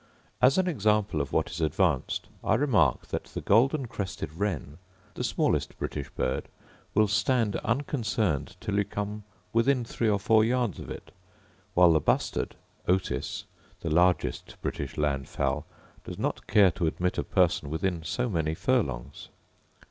As an example of what is advanced, I remark that the golden crested wren (the smallest British bird) will stand unconcerned till you come within three or four yards of it, while the bustard (otis), the largest British land fowl, does not care to admit a person within so many furlongs.